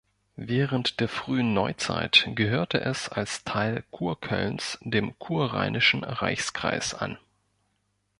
Während der frühen Neuzeit gehörte es als Teil Kurkölns dem Kurrheinischen Reichskreis an.